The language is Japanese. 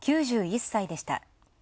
９１歳でした。